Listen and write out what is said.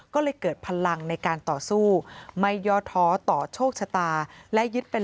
ก็เลยเกิดพลังในการต่อสู้ไม่ย่อท้อต่อโชคชะตาและยึดเป็น